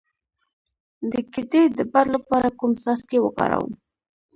د ګیډې د باد لپاره کوم څاڅکي وکاروم؟